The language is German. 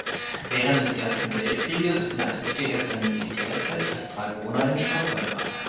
Während des Ersten Weltkrieges leistete er seine Militärzeit als Dragoner in Stockholm ab.